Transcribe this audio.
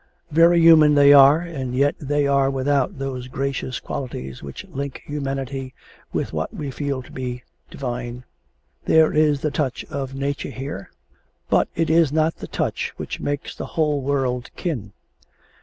Very human they are, and yet they are without those gracious qualities which link humanity with what we feel to be divine. There is the touch of nature here, but it is not the touch which makes the whole world kin.